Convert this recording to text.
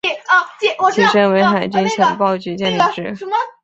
其前身为海军情报局建立之。